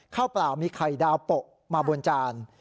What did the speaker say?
เปล่ามีไข่ดาวโปะมาบนจาน